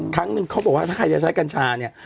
ครั้งนึงเขาบอกว่าถ้าใครจะใช้กัญชาเนี่ย